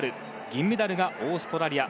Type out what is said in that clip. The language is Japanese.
銀メダルがオーストラリア。